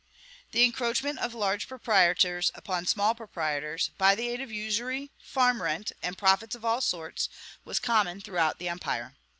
The encroachment of large proprietors upon small proprietors, by the aid of usury, farm rent, and profits of all sorts, was common throughout the empire.